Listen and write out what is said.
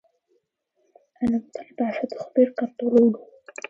ألم تربع فتخبرك الطلول